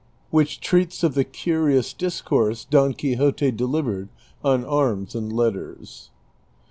WHICH TREATS OF THE CURIOUS DISCOURSE DON QUIXOTE DELIVERED ON ARMS AND LETTERS.